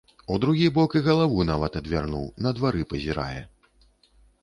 У другі бок і галаву нават адвярнуў, на двары пазірае.